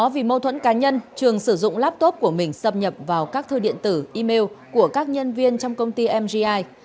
vì mâu thuẫn cá nhân trường sử dụng laptop của mình xâm nhập vào các thư điện tử email của các nhân viên trong công ty mgi